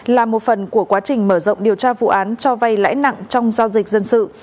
là một phần của quá trình mở rộng điều tra vụ án cho vay lãi nặng trong giao dịch dân sự